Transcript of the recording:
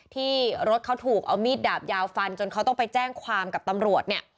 ที่รถเขาถูกเอามีดดาบยาวฟันจนเขาต้องไปแจ้งความกับตำรวจเนี่ย